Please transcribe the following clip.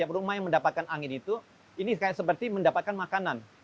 jadi di rumah yang mendapatkan angin itu ini seperti mendapatkan makanan